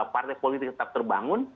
partai politik tetap terbangun